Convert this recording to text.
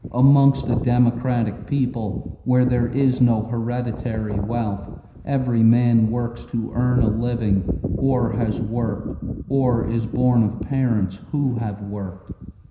"Amongst a democratic people where there is no hereditary wealth, every man works to earn a living, or has worked, or is born of parents who have worked.